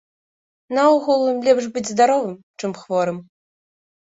Наогул, лепш быць здаровым, чым хворым.